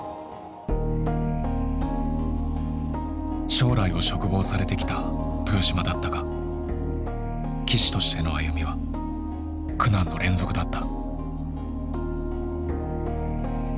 将来を嘱望されてきた豊島だったが棋士としての歩みは苦難の連続だった。